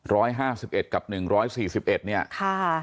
ร้อยห้าสิบเอ็ดกับหนึ่งร้อยสี่สิบเอ็ดเนี่ยค่ะ